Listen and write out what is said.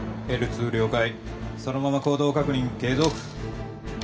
Ｌ２了解そのまま行動確認継続